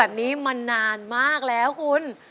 แบบนี้มานานมากแล้วคุณ